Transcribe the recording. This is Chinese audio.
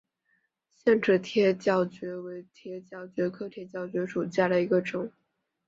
腺齿铁角蕨为铁角蕨科铁角蕨属下的一个种。